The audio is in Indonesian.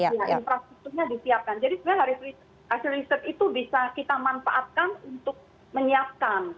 jadi sebenarnya hasil riset itu bisa kita manfaatkan untuk menyiapkan